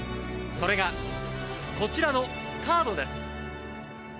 それが、こちらのカードです。